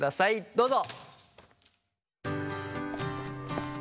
どうぞ。